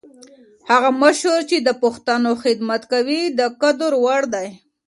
هغه مشر چي د پښتنو خدمت کوي، د قدر وړ دی.